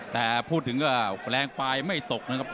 แต่พูดถึงก็แปลงปลายไม่ตกนะครับ